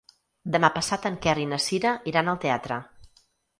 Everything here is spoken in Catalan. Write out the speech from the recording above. Demà passat en Quer i na Cira iran al teatre.